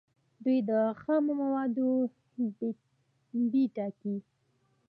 دوی د خامو موادو بیې ټاکي.